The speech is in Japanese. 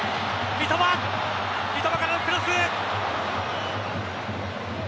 三笘からのクロス。